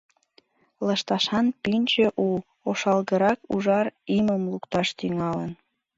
Лышташан пӱнчӧ у, ошалгырак ужар имым лукташ тӱҥалын.